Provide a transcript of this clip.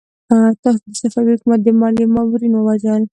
تاسو د صفوي حکومت د ماليې مامورين ووژل!